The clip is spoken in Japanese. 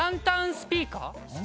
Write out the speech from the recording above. スピーカー。